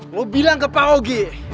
mau bilang ke pak ogi